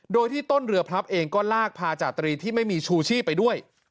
โดยที่ต้นเรือพลับเองก็ลากพาจาตรีที่ไม่มีชูชีพไปด้วย